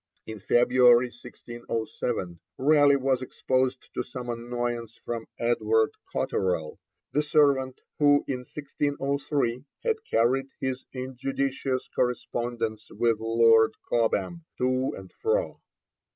In February 1607, Raleigh was exposed to some annoyance from Edward Cotterell, the servant who in 1603 had carried his injudicious correspondence with Lord Cobham to and fro.